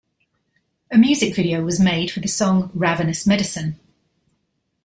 A music video was made for the song "Ravenous Medicine".